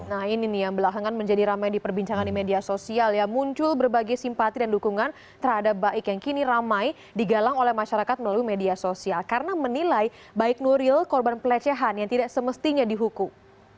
nah ini nih yang belakangan menjadi ramai di perbincangan di media sosial ya muncul berbagai simpati dan dukungan terhadap baik yang kini ramai digalang oleh masyarakat melalui media sosial karena menilai baik nuril korban pelecehan yang tidak semestinya dihukum